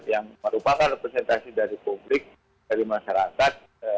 yang merupakan representasi dari publik dari masyarakat